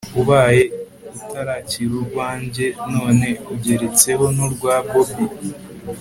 ubaye utarakira urwanyjye none ugeretseho nurwa bobi